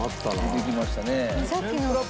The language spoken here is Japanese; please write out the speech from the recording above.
出てきましたね。